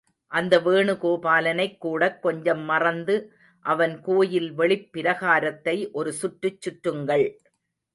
அந்த வேணுகோபாலனைக் கூடக் கொஞ்சம் மறந்து அவன் கோயில் வெளிப் பிரகாரத்தை ஒரு சுற்றுச் சுற்றுங்கள்.